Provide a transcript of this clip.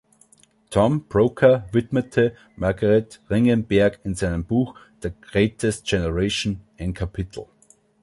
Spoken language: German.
Tom Brokaw widmete Margaret Ringenberg in seinem Buch „The Greatest Generation“ ein Kapitel.